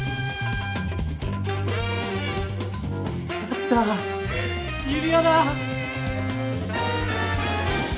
あった指輪だ！